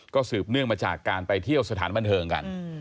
ก็สืบเนื่องมาจากการไปเที่ยวสถานบันเทิงกัน